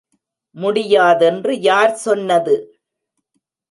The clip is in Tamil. முடியாதென்று யார் சொன்னது!